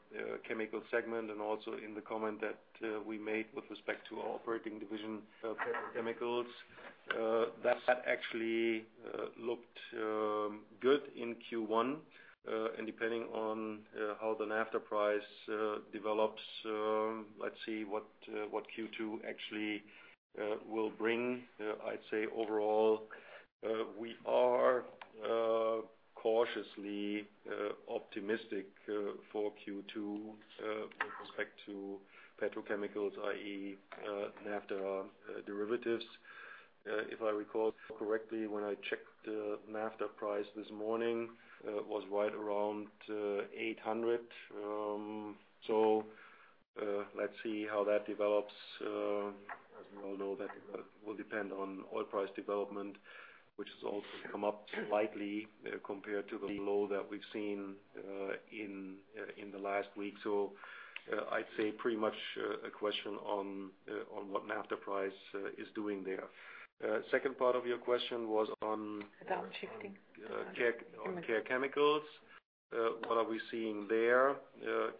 chemical segment and also in the comment that we made with respect to our operating division of chemicals. That actually looked good in Q1. Depending on how the naphtha price develops, let's see what Q2 actually will bring. I'd say overall, we are cautiously optimistic for Q2 with respect to petrochemicals, i.e., naphtha derivatives. If I recall correctly, when I checked the naphtha price this morning, it was right around EUR 800. Let's see how that develops. As we all know, that will depend on oil price development, which has also come up slightly compared to the low that we've seen in the last week. I'd say pretty much a question on what naphtha price is doing there. Second part of your question was on Care Chemicals. What are we seeing there?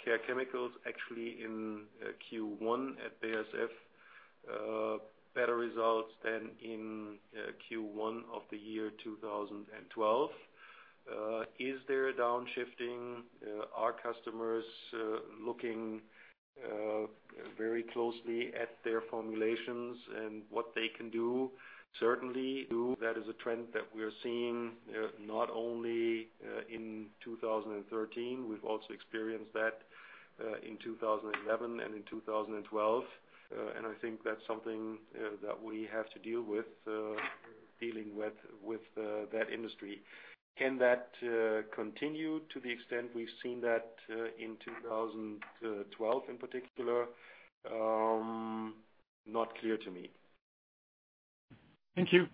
Care Chemicals actually in Q1 at BASF better results than in Q1 of the year 2012. Is there a downshifting? Our customers looking very closely at their formulations and what they can do. Certainly, that is a trend that we're seeing not only in 2013. We've also experienced that in 2011 and in 2012. I think that's something that we have to deal with dealing with that industry. Can that continue to the extent we've seen that in 2012 in particular? Not clear to me. Thank you.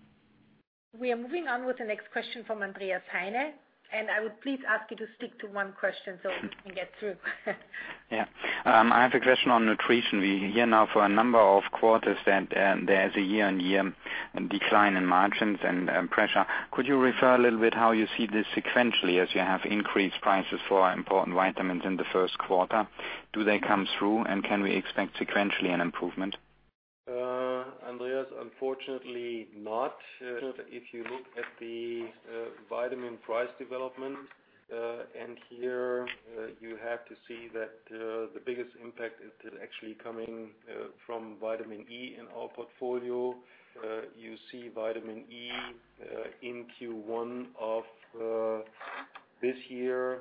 We are moving on with the next question from Andreas Heine. I would please ask you to stick to one question so we can get through. I have a question on Nutrition. We hear now for a number of quarters that there's a year-over-year decline in margins and pressure. Could you refer a little bit how you see this sequentially as you have increased prices for important vitamins in the first quarter? Do they come through, and can we expect sequentially an improvement? Yes, unfortunately not. If you look at the vitamin price development, and here you have to see that the biggest impact is actually coming from Vitamin E in our portfolio. You see Vitamin E in Q1 of this year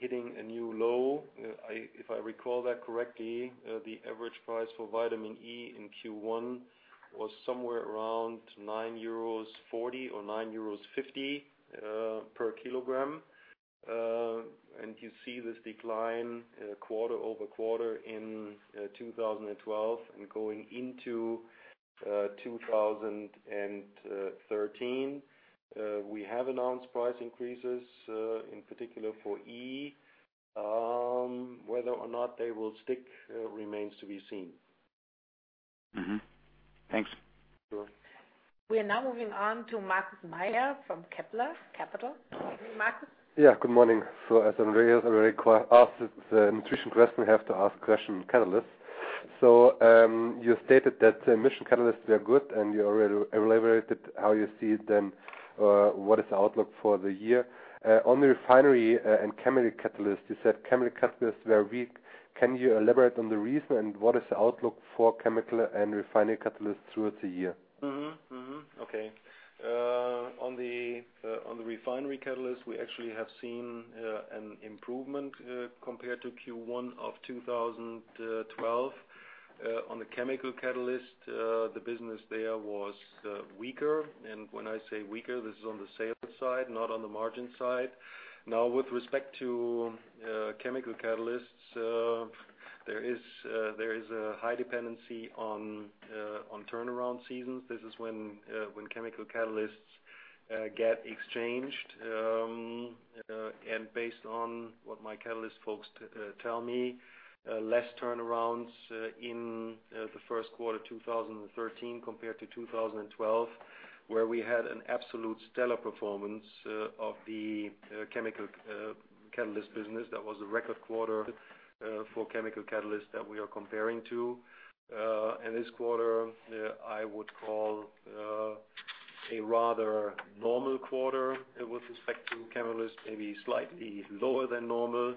hitting a new low. If I recall that correctly, the average price for Vitamin E in Q1 was somewhere around 9.40 euros or 9.50 euros per kg. You see this decline quarter-over-quarter in 2012 and going into 2013. We have announced price increases in particular for E. Whether or not they will stick remains to be seen. Mm-hmm. Thanks. Sure. We are now moving on to Markus Mayer from Kepler Cheuvreux. Markus? Yeah. Good morning. As Andreas already asked the nutrition question, we have to ask the catalyst question. You stated that emission catalysts were good, and you already elaborated how you see them. What is the outlook for the year? On the refinery and chemical catalyst, you said chemical catalysts were weak. Can you elaborate on the reason, and what is the outlook for chemical and refinery catalysts throughout the year? On the refinery catalyst, we actually have seen an improvement compared to Q1 of 2012. On the chemical catalyst, the business there was weaker. When I say weaker, this is on the sales side, not on the margin side. Now, with respect to chemical catalysts, there is a high dependency on turnaround seasons. This is when chemical catalysts get exchanged. Based on what my catalyst folks tell me, less turnarounds in the first quarter 2013 compared to 2012, where we had an absolute stellar performance of the chemical catalyst business. That was a record quarter for chemical catalysts that we are comparing to. This quarter, I would call a rather normal quarter with respect to catalyst, maybe slightly lower than normal.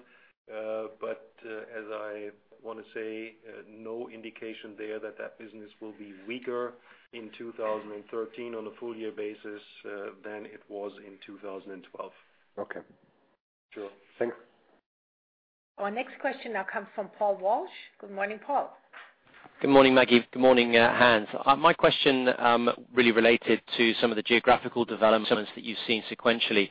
As I wanna say, no indication there that that business will be weaker in 2013 on a full year basis than it was in 2012. Okay. Sure. Thanks. Our next question now comes from Paul Walsh. Good morning, Paul. Good morning, Maggie. Good morning, Hans. My question really related to some of the geographical developments that you've seen sequentially.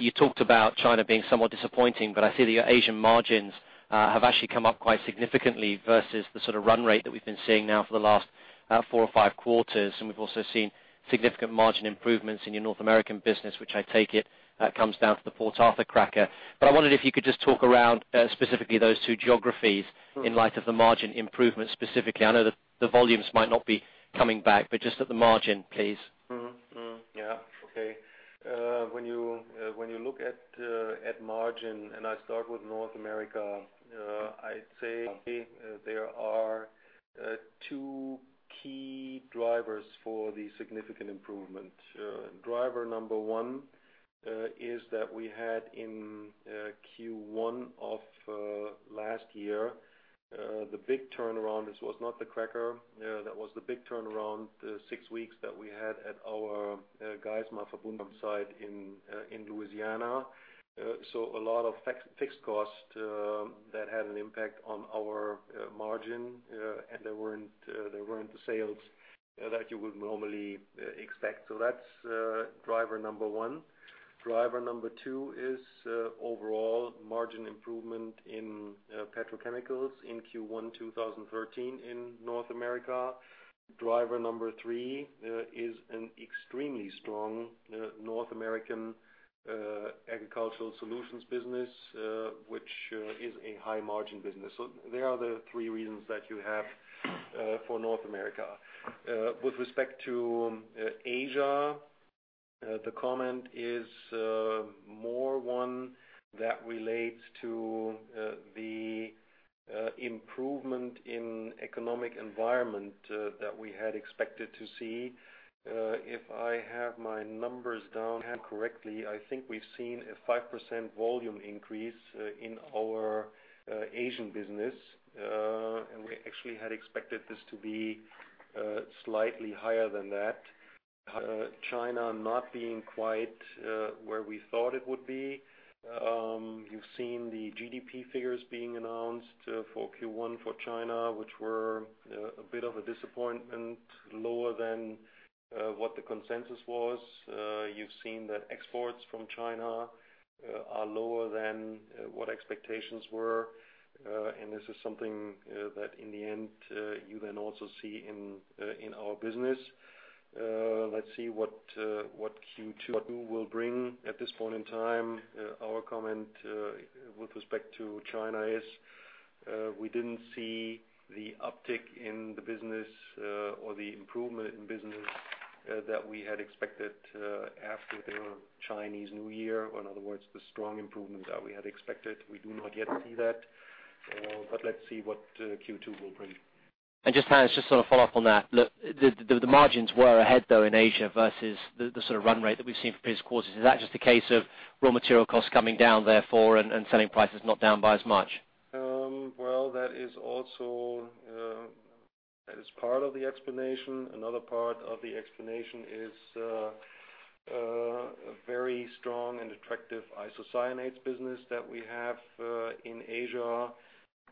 You talked about China being somewhat disappointing, but I see that your Asian margins have actually come up quite significantly versus the sort of run rate that we've been seeing now for the last four or five quarters. We've also seen significant margin improvements in your North American business, which I take it comes down to the Port Arthur cracker. I wondered if you could just talk around specifically those two geographies in light of the margin improvement specifically. I know the volumes might not be coming back, but just at the margin, please. When you look at margin, I start with North America. I'd say there are two key drivers for the significant improvement. Driver 1 is that we had in Q1 of last year the big turnaround. This was not the cracker. That was the big turnaround, six weeks that we had at our Geismar-Verbund site in Louisiana. A lot of fixed cost that had an impact on our margin, and there weren't the sales that you would normally expect. That's driver number one. Driver 2 is overall margin improvement in petrochemicals in Q1 2013 in North America. Driver 3 is an extremely strong North American agricultural solutions business, which is a high margin business. They are the three reasons that you have for North America. With respect to Asia, the comment is more one that relates to the improvement in economic environment that we had expected to see. If I have my numbers down correctly, I think we've seen a 5% volume increase in our Asian business. We actually had expected this to be slightly higher than that, China not being quite where we thought it would be. You've seen the GDP figures being announced for Q1 for China, which were a bit of a disappointment, lower than what the consensus was. You've seen that exports from China are lower than what expectations were. This is something that in the end you then also see in our business. Let's see what Q2 will bring. At this point in time, our comment with respect to China is we didn't see the uptick in the business or the improvement in business that we had expected after the Chinese New Year, or in other words, the strong improvement that we had expected. We do not yet see that. Let's see what Q2 will bring. Just Hans, just sort of follow up on that. Look, the margins were ahead though in Asia versus the sort of run rate that we've seen for previous quarters. Is that just the case of raw material costs coming down therefore and selling prices not down by as much? Well, that is also part of the explanation. Another part of the explanation is a very strong and attractive isocyanates business that we have in Asia,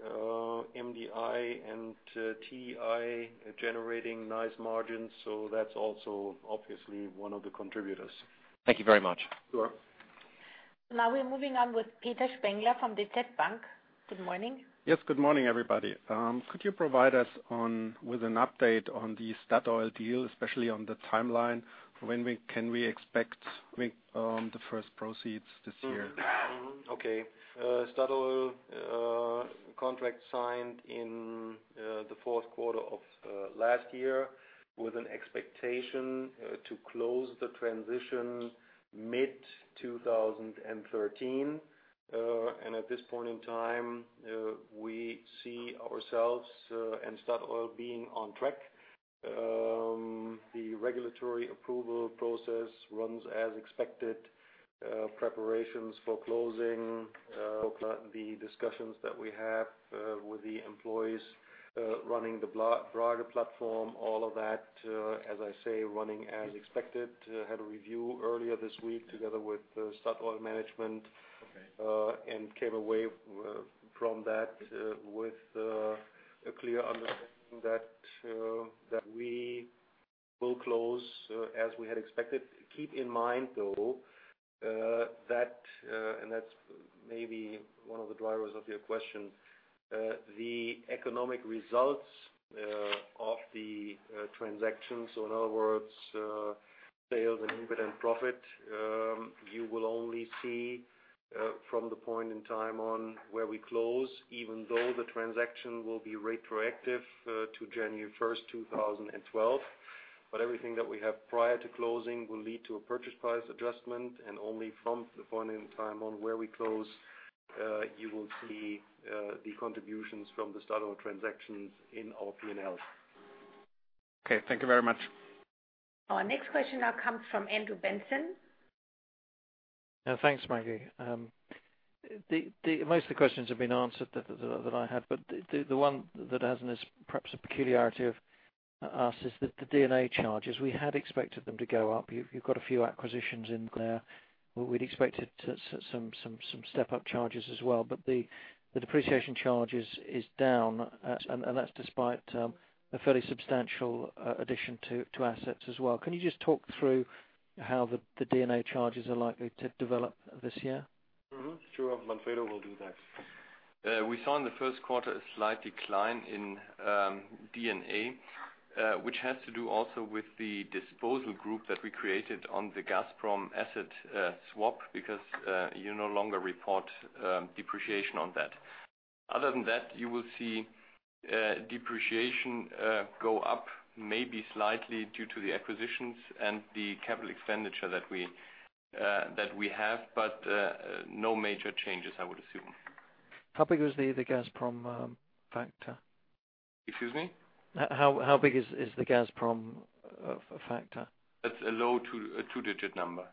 MDI and TDI generating nice margins, so that's also obviously one of the contributors. Thank you very much. Sure. Now we're moving on with Peter Spengler from DZ Bank. Good morning. Yes, good morning, everybody. Could you provide us with an update on the Statoil deal, especially on the timeline? When can we expect the first proceeds this year? Statoil contract signed in the fourth quarter of last year with an expectation to close the transaction mid-2013. At this point in time, we see ourselves and Statoil being on track. The regulatory approval process runs as expected, preparations for closing, the discussions that we have with the employees running the Brage platform, all of that, as I say, running as expected. Had a review earlier this week together with Statoil management. Okay. Came away from that with a clear understanding that we will close as we had expected. Keep in mind, though, and that's maybe one of the drivers of your question, the economic results of the transaction. In other words, sales and EBIT and profit you will only see from the point in time on where we close, even though the transaction will be retroactive to January 1st, 2012. Everything that we have prior to closing will lead to a purchase price adjustment, and only from the point in time on where we close, you will see the contributions from the Statoil transactions in our P&L. Okay, thank you very much. Our next question now comes from Andrew Benson. Thanks, Maggie. Most of the questions have been answered that I have, but the one that hasn't is perhaps a peculiarity of us, is the D&A charges. We had expected them to go up. You've got a few acquisitions in there. We'd expected some step-up charges as well. But the depreciation charges is down, and that's despite a fairly substantial addition to assets as well. Can you just talk through how the D&A charges are likely to develop this year? Mm-hmm. Sure. Manfredo will do that. We saw in the first quarter a slight decline in D&A, which has to do also with the disposal group that we created on the Gazprom asset swap because you no longer report depreciation on that. Other than that, you will see depreciation go up maybe slightly due to the acquisitions and the capital expenditure that we have, but no major changes, I would assume. How big was the Gazprom factor? Excuse me? How big is the Gazprom f-factor? It's a low two-digit number.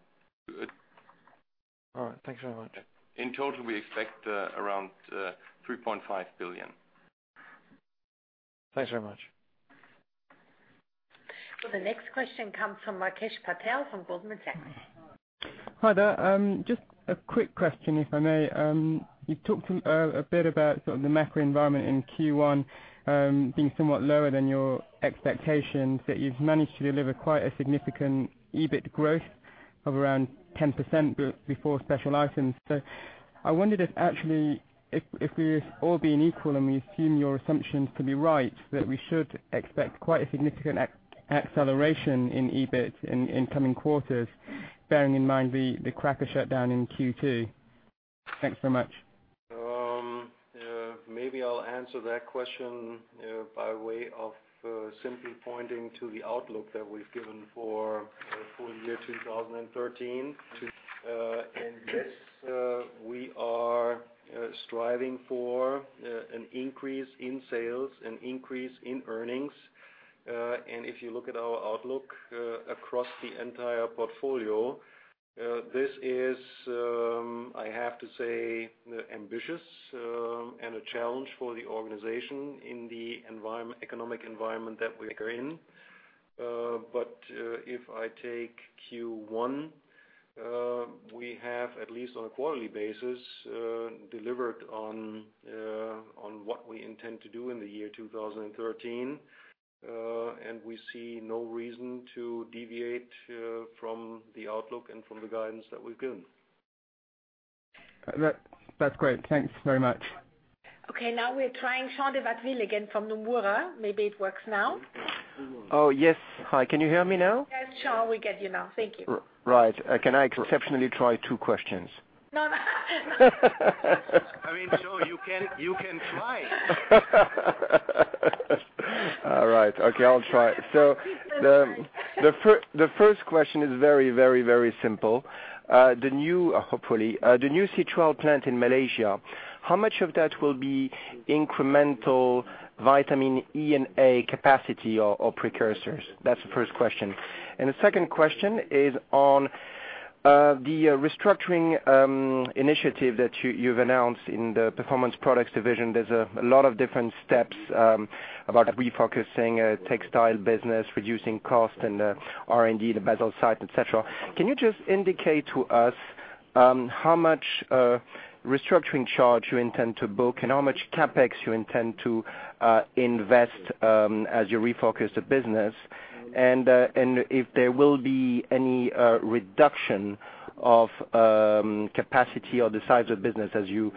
All right. Thank you very much. In total, we expect around 3.5 billion. Thanks very much. The next question comes from Rakesh Patel from Goldman Sachs. Hi there. Just a quick question, if I may. You've talked a bit about sort of the macro environment in Q1 being somewhat lower than your expectations, but you've managed to deliver quite a significant EBIT growth of around 10% before special items. I wondered if actually, if we was all being equal and we assume your assumptions to be right, that we should expect quite a significant acceleration in EBIT in coming quarters, bearing in mind the cracker shutdown in Q2. Thanks very much. Maybe I'll answer that question by way of simply pointing to the outlook that we've given for full year 2013. In this, we are striving for an increase in sales, an increase in earnings. If you look at our outlook across the entire portfolio, this is, I have to say, ambitious and a challenge for the organization in the economic environment that we are in. If I take Q1, we have, at least on a quarterly basis, delivered on what we intend to do in the year 2013, and we see no reason to deviate from the outlook and from the guidance that we've given. That's great. Thanks very much. Okay, now we're trying Jean de Watteville again from Nomura. Maybe it works now. Oh, yes. Hi, can you hear me now? Yes, Jean, we get you now. Thank you. Right. Can I exceptionally try two questions? No, no. I mean, you can try. All right. Okay, I'll try. The first question is very simple. The new, hopefully, the new C12 plant in Malaysia, how much of that will be incremental Vitamin E and A capacity or precursors? That's the first question. The second question is on the restructuring initiative that you've announced in the Performance Products Division. There's a lot of different steps about refocusing the textile business, reducing cost and R&D, the Basel side, etc. Can you just indicate to us how much restructuring charge you intend to book and how much CapEx you intend to invest as you refocus the business? If there will be any reduction of capacity or the size of business as you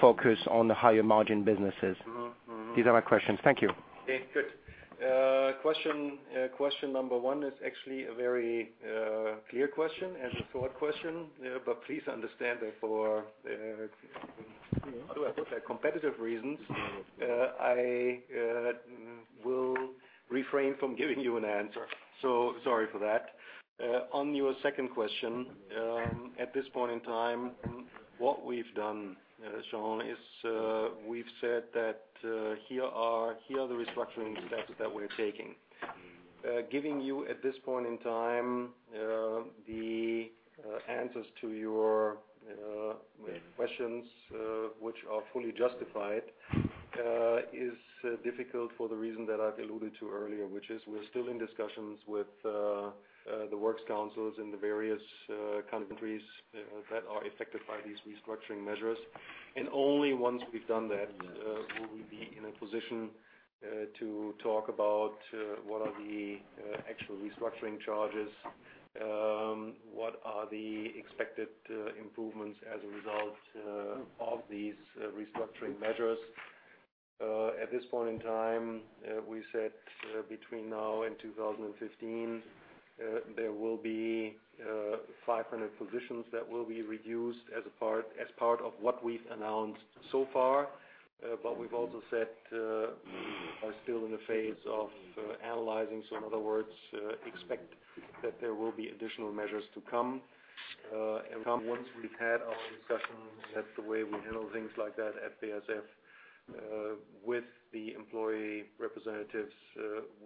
focus on the higher margin businesses. These are my questions. Thank you. Okay, good. Question number one is actually a very clear question and a thought question, but please understand that for, how do I put that, competitive reasons, I will refrain from giving you an answer. Sorry for that. On your second question, at this point in time, what we've done, Jean, is, we've said that, here are the restructuring steps that we're taking. Giving you at this point in time, the answers to your questions, which are fully justified, is difficult for the reason that I've alluded to earlier, which is we're still in discussions with the works councils in the various countries that are affected by these restructuring measures. Only once we've done that, will we be in a position to talk about what the actual restructuring charges, what the expected improvements as a result of these restructuring measures. At this point in time, we said between now and 2015, there will be 500 positions that will be reduced as a part of what we've announced so far. We've also said we are still in the phase of analyzing. In other words, expect that there will be additional measures to come, and once we've had our discussions, that's the way we handle things like that at BASF with the employee representatives,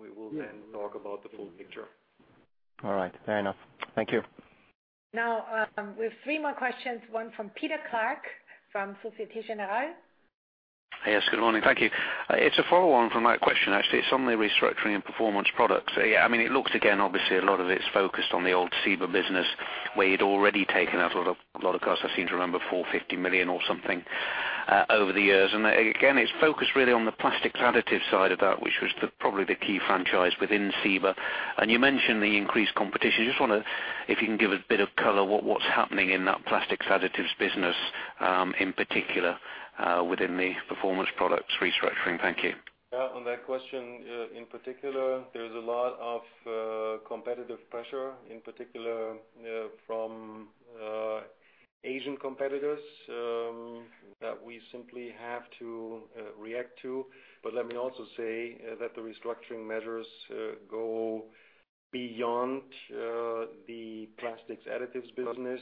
we will then talk about the full picture. All right. Fair enough. Thank you. Now, we have three more questions, one from Peter Clark, from Société Générale. Yes, good morning. Thank you. It's a follow on from that question, actually. It's on the restructuring and Performance Products. I mean, it looks again, obviously a lot of it's focused on the old Ciba business, where you'd already taken out a lot of costs. I seem to remember 450 million or something over the years. Again, it's focused really on the plastics additive side of that, which was probably the key franchise within Ciba. You mentioned the increased competition. Just want to, if you can give a bit of color, what's happening in that plastics additives business in particular within the Performance Products restructuring. Thank you. Yeah. On that question, in particular, there is a lot of competitive pressure, in particular, from Asian competitors, that we simply have to react to. Let me also say that the restructuring measures go beyond the plastics additives business.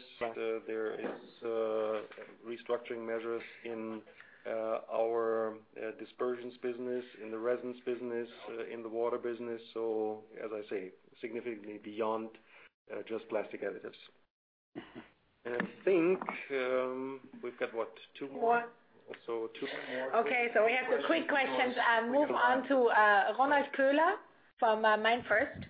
There is restructuring measures in our dispersions business, in the resins business, in the water business. As I say, significantly beyond just plastic additives. I think, we've got what, two more? One? Two more. Okay. We have quick questions and move on to Ronald Köhler from MainFirst.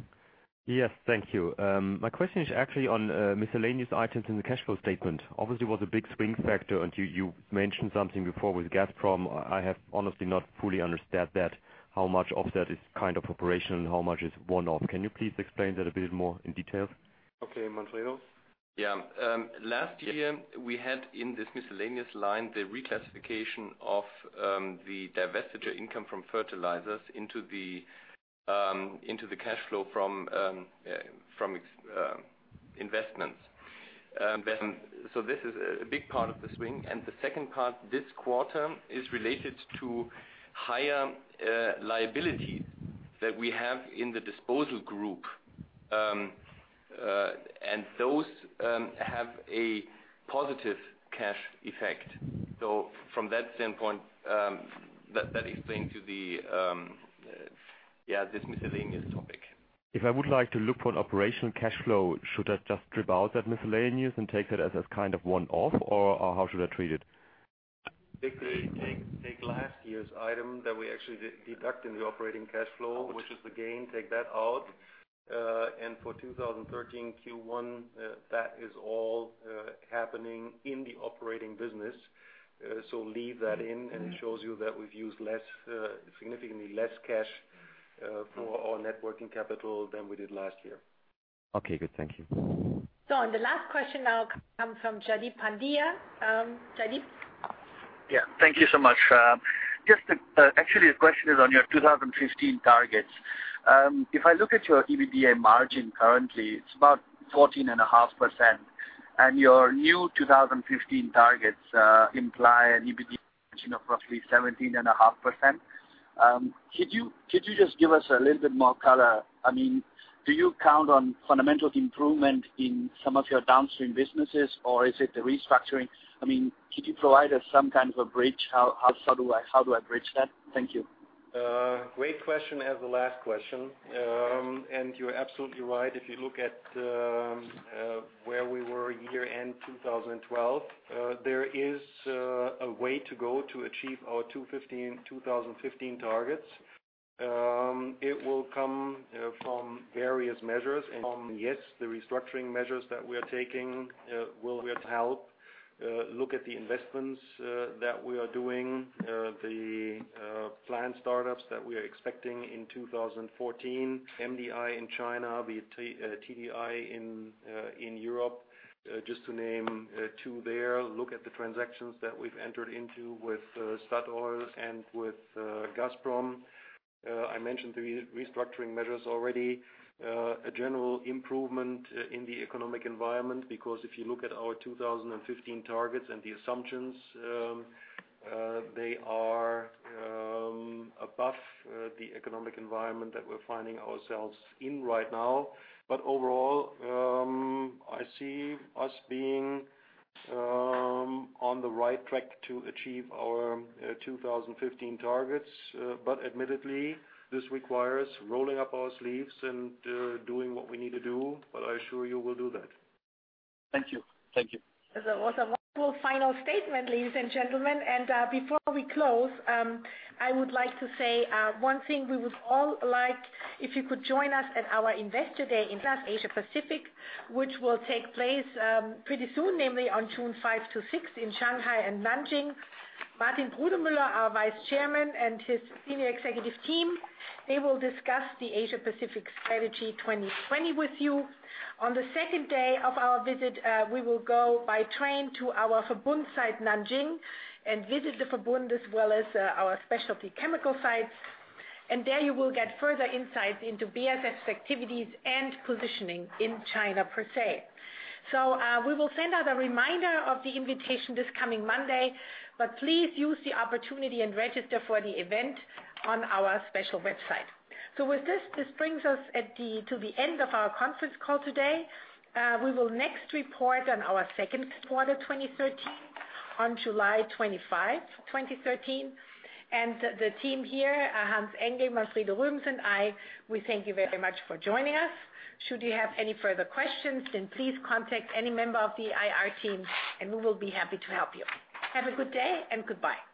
Yes. Thank you. My question is actually on miscellaneous items in the cash flow statement. Obviously, it was a big swing factor, and you mentioned something before with Gazprom. I have honestly not fully understand that. How much of that is kind of operational and how much is one-off? Can you please explain that a bit more in detail? Okay. Manfredo? Yeah. Last year we had in this miscellaneous line the reclassification of the divested income from fertilizers into the cash flow from investments. This is a big part of the swing. The second part this quarter is related to higher liability that we have in the disposal group, and those have a positive cash effect. From that standpoint, that explains, yeah, this miscellaneous topic. If I would like to look for an operational cash flow, should I just strip out that miscellaneous and take that as a kind of one-off, or how should I treat it? Take last year's item that we actually deducted in the operating cash flow, which is the gain, take that out. For 2013, Q1, that is all happening in the operating business. Leave that in, and it shows you that we've used less, significantly less cash for our net working capital than we did last year. Okay, good. Thank you. The last question now come from Jaideep Pandya. Jaideep? Yeah. Thank you so much, actually the question is on your 2015 targets. If I look at your EBITDA margin currently, it's about 14.5% and your new 2015 targets imply an EBITDA margin of roughly 17.5%. Could you just give us a little bit more color? I mean, do you count on fundamental improvement in some of your downstream businesses, or is it the restructuring? I mean, could you provide us some kind of a bridge? How do I bridge that? Thank you. Great question as the last question. You're absolutely right. If you look at where we were year-end 2012, there is a way to go to achieve our 2015 targets. It will come from various measures and from, yes, the restructuring measures that we are taking will help. Look at the investments that we are doing. The planned startups that we are expecting in 2014. MDI in China, the TDI in Europe, just to name two there. Look at the transactions that we've entered into with Statoil and with Gazprom. I mentioned the restructuring measures already. A general improvement in the economic environment, because if you look at our 2015 targets and the assumptions, they are above the economic environment that we're finding ourselves in right now. Overall, I see us being on the right track to achieve our 2015 targets. Admittedly, this requires rolling up our sleeves and doing what we need to do, but I assure you we'll do that. Thank you. Thank you. That was a wonderful final statement, ladies and gentlemen. Before we close, I would like to say one thing we would all like if you could join us at our Investor Day in Asia Pacific, which will take place pretty soon, namely on June 5-6 in Shanghai and Nanjing. Martin Brudermüller, our Vice Chairman, and his senior executive team, they will discuss the Asia Pacific Strategy 2020 with you. On the second day of our visit, we will go by train to our Verbund site, Nanjing, and visit the Verbund as well as our specialty chemical sites. There you will get further insights into BASF's activities and positioning in China per se. We will send out a reminder of the invitation this coming Monday, but please use the opportunity and register for the event on our special website. With this brings us to the end of our conference call today. We will next report on our second quarter 2013 on July 25, 2013. The team here, Hans-Ulrich Engel, Manfredo Rübens and I, we thank you very much for joining us. Should you have any further questions, then please contact any member of the IR team, and we will be happy to help you. Have a good day and goodbye.